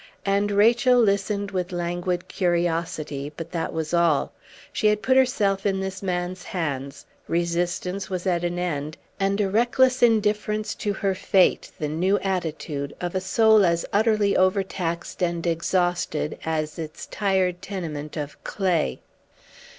And Rachel listened with languid curiosity; but that was all. She had put herself in this man's hands; resistance was at an end, and a reckless indifference to her fate the new attitude of a soul as utterly overtaxed and exhausted as its tired tenement of clay.